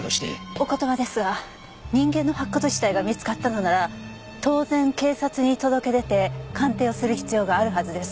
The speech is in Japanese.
お言葉ですが人間の白骨死体が見つかったのなら当然警察に届け出て鑑定をする必要があるはずです。